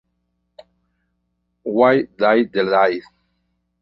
Why did they die?